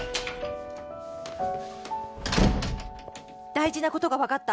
「大事なことがわかった！」